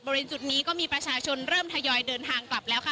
บริเวณจุดนี้ก็มีประชาชนเริ่มทยอยเดินทางกลับแล้วค่ะ